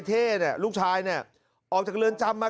เท่เนี่ยลูกชายเนี่ยออกจากเรือนจำมา